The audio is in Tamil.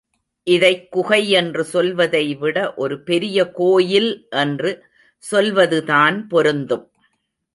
இதைக் குகை என்று சொல்வதைவிட ஒரு பெரிய கோயில் என்று சொல்வதுதான் பொருந்தும்.